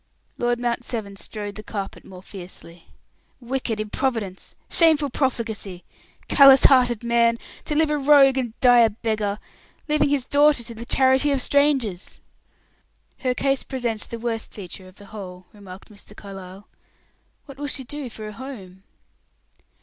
Lord Mount Severn strode the carpet more fiercely. "Wicked improvidence! Shameful profligacy; callous hearted man! To live a rogue and die a beggar leaving his daughter to the charity of strangers!" "Her case presents the worst feature of the whole," remarked Mr. Carlyle. "What will she do for a home?"